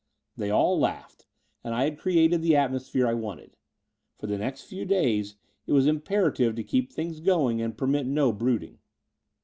They all laughed: and I had created the atmos phere I wanted. For the next few days it was imperative to keep things going and permit, no brooding.